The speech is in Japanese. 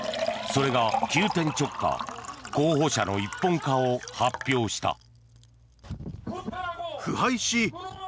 それが、急転直下候補者の一本化を発表した。